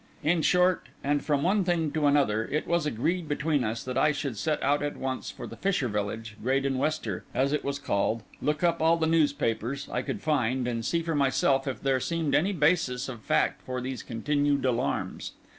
In short, and from one thing to another, it was agreed between us, that I should set out at once for the fisher village, Graden Wester, as it was called, look up all the newspapers I could find, and see for myself if there seemed any basis of fact for these continued alarms.